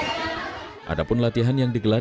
sehingga ini akan menjadi yang baik bagi warga di cihanjawar